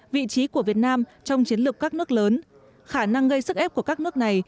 vị trí của việt nam trong chiến lược các nước lớn khả năng gây sức ép của các nước này